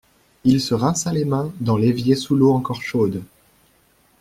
Il se rinça les mains dans l’évier sous l’eau encore chaude.